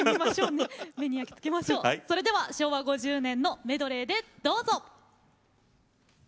それでは昭和５０年のヒット曲、メドレーでどうぞ。